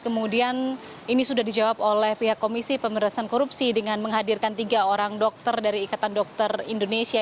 kemudian ini sudah dijawab oleh pihak komisi pemerintahan korupsi dengan menghadirkan tiga orang dokter dari ikatan dokter indonesia